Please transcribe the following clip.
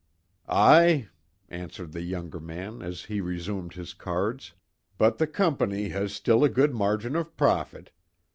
"Aye," answered the younger man as he resumed his cards. "But the Company has still a good margin of profit.